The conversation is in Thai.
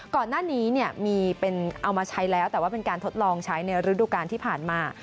ก่อนหน้านี้เอามาใช้แล้วแต่ว่าเป็นการทดลองใช้ในฤดูการที่ผ่านมา